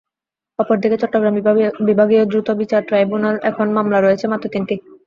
অপরদিকে চট্টগ্রাম বিভাগীয় দ্রুত বিচার ট্রাইব্যুনালে এখন মামলা রয়েছে মাত্র তিনটি।